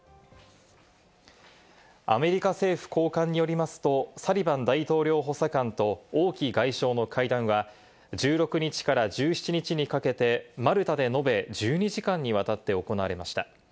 アメリカ政府高官によりますと、サリバン大統領補佐官とオウ・キ外相の会談は１６日から１７日にかけてマルタで延べ１２時間にわたって行われました。